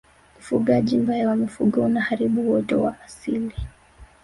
ufugaji mbaya wa mifugo unaharibu uoto wa asili